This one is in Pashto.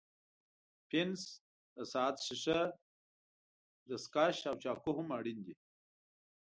پنس، د ساعت ښيښه، ستکش او چاقو هم اړین دي.